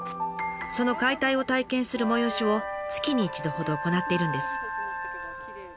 その解体を体験する催しを月に一度ほど行っているんです。